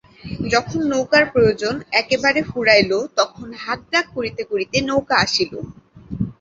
যখন নৌকার প্রয়োজন একেবারে ফুরাইল তখন হাঁক ডাক করিতে করিতে নৌকা আসিল।